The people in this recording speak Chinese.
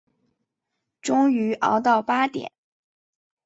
终于熬到八点